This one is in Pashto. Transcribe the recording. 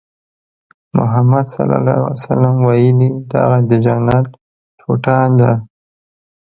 محمد ص ویلي دغه د جنت ټوټه ده.